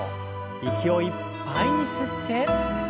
息をいっぱいに吸って。